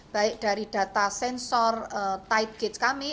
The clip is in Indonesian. baik dari data sensor tight gates kami